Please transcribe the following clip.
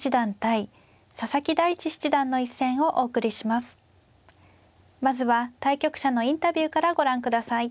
まずは対局者のインタビューからご覧ください。